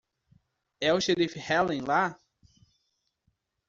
É o xerife Helen lá?